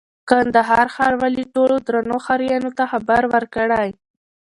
کندهار ښاروالي ټولو درنو ښاريانو ته خبر ورکوي: